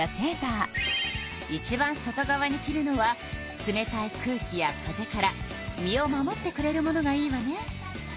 いちばん外側に着るのは冷たい空気や風から身を守ってくれるものがいいわね。